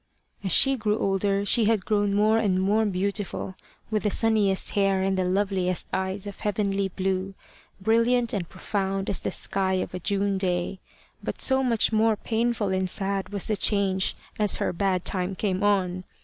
As she grew older she had grown more and more beautiful, with the sunniest hair and the loveliest eyes of heavenly blue, brilliant and profound as the sky of a June day. But so much more painful and sad was the change as her bad time came on.